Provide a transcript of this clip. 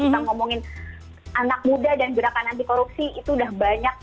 jadi kalau kita ngomongin anak muda dan gerakan anti korupsi itu udah banyak